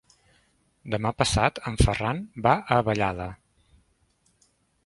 Demà passat en Ferran va a Vallada.